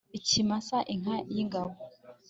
ikimasa inka y'ingabo